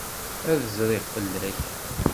Ad d-zriɣ fell-ak.